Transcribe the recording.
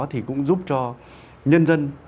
thì cũng giúp cho nhân dân